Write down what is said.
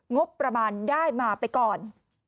งบประมาณได้มาไปก่อน